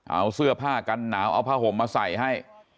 เอาเสื้อผ้ากันหนาวเอาผ้าห่มมาใส่ให้